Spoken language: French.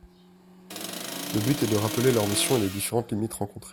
Le but est de rappeler leurs missions et les différentes limites rencontrées